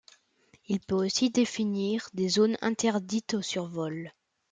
Il peut aussi définir des zones interdites de survol.